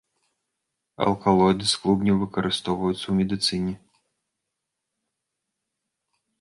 Алкалоіды з клубняў выкарыстоўваюцца ў медыцыне.